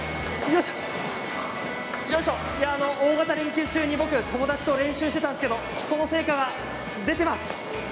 大型連休中に僕、友達と練習していたんですけどその成果が出ています。